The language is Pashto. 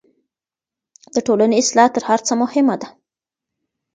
د ټولني اصلاح تر هر څه مهمه ده.